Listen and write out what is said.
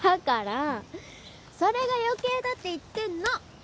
からーそれが余計だって言ってんの！